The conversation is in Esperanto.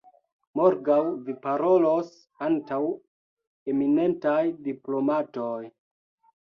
Morgaŭ Vi parolos antaŭ eminentaj diplomatoj!